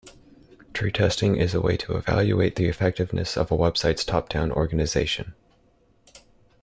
Tree testing is a way to evaluate the effectiveness of a website's top-down organization.